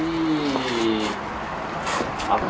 ครับครับครับ